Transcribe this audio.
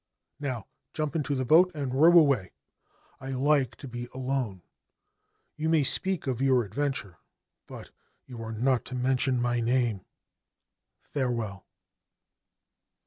Now, jump into the boat and row away. I like to be alone. You may speak of your adventure ; but you are not to mention my name. Farewell